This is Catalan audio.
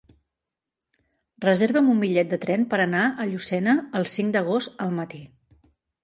Reserva'm un bitllet de tren per anar a Llucena el cinc d'agost al matí.